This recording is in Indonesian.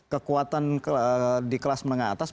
kekuatan di kelas menengah atas